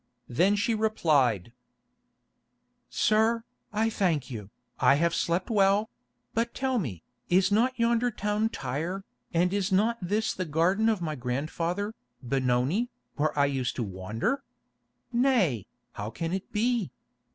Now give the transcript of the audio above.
Then she replied: "Sir, I thank you, I have slept well; but tell me, is not yonder town Tyre, and is not this the garden of my grandfather, Benoni, where I used to wander? Nay, how can it be?